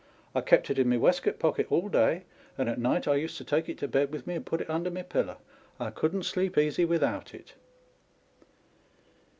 I kept it in my waistcoat pocket all day, and at night I used to take it to bed with me and put it under my pillow. I couldn't sleep easy without it."